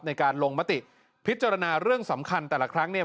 ในการลงมติพิจารณาเรื่องสำคัญแต่ละครั้งเนี่ย